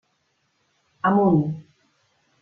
Amunt.